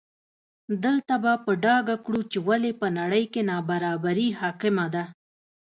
دلته به په ډاګه کړو چې ولې په نړۍ کې نابرابري حاکمه ده.